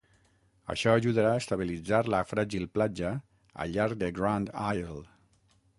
Això ajudarà a estabilitzar la fràgil platja al llarg de Grand Isle.